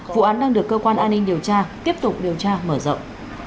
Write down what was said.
vụ án đang được cơ quan an ninh điều tra tiếp tục điều tra mở rộng